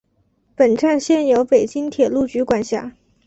本站现由北京铁路局管辖。